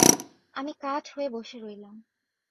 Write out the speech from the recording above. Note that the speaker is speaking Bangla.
আমি কাঠ হয়ে বসে রইলাম।